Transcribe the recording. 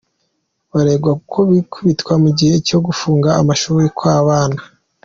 Baranengwa uko bitwara mugihe cyo gufunga amashuri kw’abana.